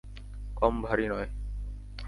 কম ভারী নয়!